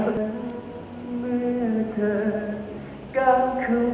โปรดอย่ามาห้ามกัน